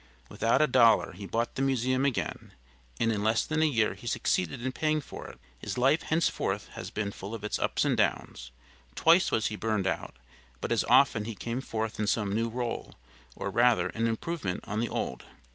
Without a dollar he bought the Museum again, and in less than a year he succeeded in paying for it. His life henceforth has been full of its ups and downs; twice was he burned out, but as often he came forth in some new role or rather an improvement on the old.